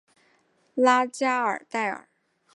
拉加尔代尔。